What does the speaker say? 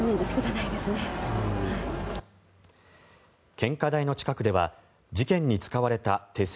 献花台の近くでは事件に使われた手製